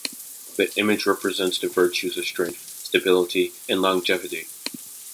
The image represents the virtues of strength, stability and longevity.